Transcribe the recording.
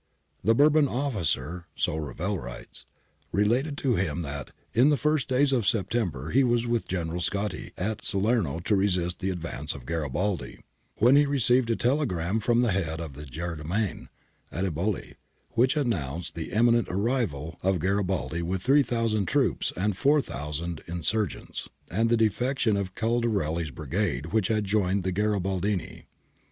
The Bourbon officer, so Revel writes, related to him that ' in the first days of September he was with General Scotti at Salerno to resist the advance of Garibaldi, when he received a telegram from the head of the gendarmerie at Eboli which announced the imminent arrival of Garibaldi with 3000 troops and 4000 insurgents, and the defection of Caldarelli's brigade which had joined the Gari baldini.